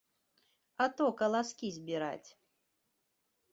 А то каласкі збіраць!